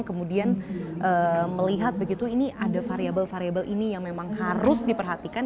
kemudian melihat begitu ini ada variable variable ini yang memang harus diperhatikan